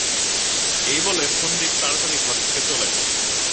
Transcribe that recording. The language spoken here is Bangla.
এই বলে সন্দীপ তাড়াতাড়ি ঘর থেকে চলে গেল।